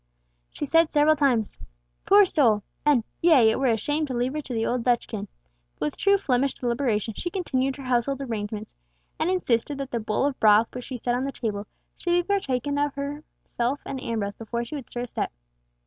She said several times, "Poor soul!" and "Yea, it were a shame to leave her to the old Dutchkin," but with true Flemish deliberation she continued her household arrangements, and insisted that the bowl of broth, which she set on the table, should be partaken of by herself and Ambrose before she would stir a step.